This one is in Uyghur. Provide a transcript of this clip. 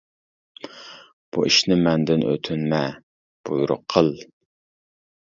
بۇ ئىشنى مەندىن ئۆتۈنمە، بۇيرۇق قىل.